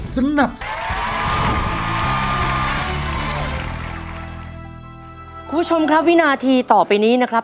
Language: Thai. คุณผู้ชมครับวินาทีต่อไปนี้นะครับ